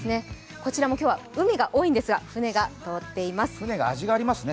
こちらも今日は海が多いんですが船が通っています。